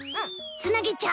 つなげちゃう。